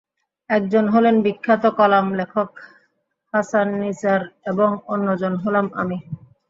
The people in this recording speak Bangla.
একজন হলেন বিখ্যাত কলাম লেখক হাসান নিসার এবং অন্যজন হলাম আমি।